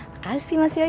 makasih mas yoyote